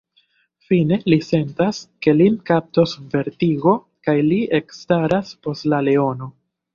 Fine li sentas, ke lin kaptos vertigo, kaj li ekstaras post la leono.